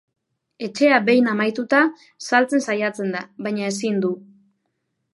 Etxea behin amaituta, saltzen saiatzen da, baina ezin du.